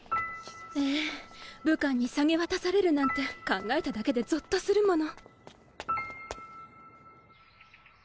ええ武官に下げ渡されるなんて考えただけでゾッとするもの。